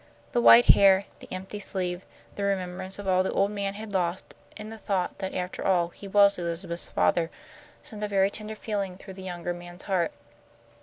The white hair, the empty sleeve, the remembrance of all the old man had lost, and the thought that after all he was Elizabeth's father, sent a very tender feeling through the younger man's heart.